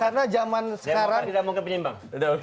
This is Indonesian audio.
karena zaman sekarang